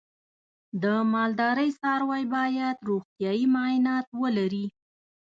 د مالدارۍ څاروی باید روغتیايي معاینات ولري.